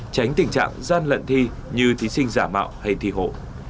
tránh tình trạng gian lận thi như thí sinh giả mạo hay thi hộ